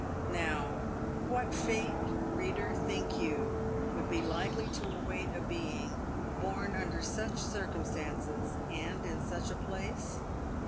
Now what fate, reader, think you, would be likely to await a being born under such circumstances, and in such a place